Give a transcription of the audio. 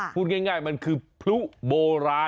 พูดง่ายมันคือพลุโบราณ